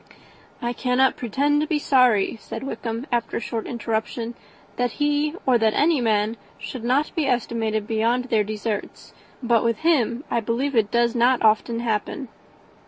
"I cannot pretend to be sorry," said Wickham, after a short interruption, "that he or that any man should not be estimated beyond their deserts; but with him I believe it does not often happen.